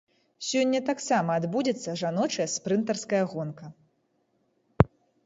Сёння таксама адбудзецца жаночая спрынтарская гонка.